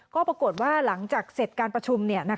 ก็ปรากฏว่าหลังจากเสร็จการประชุม